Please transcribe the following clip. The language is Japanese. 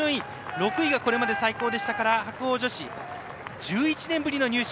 ６位がこれまでの最高で白鵬女子、１１年ぶりの入賞。